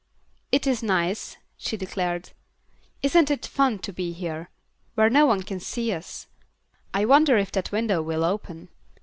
"It is nice," she declared. "Isn't it fun to be here, where no one can see us? I wonder if that window will open."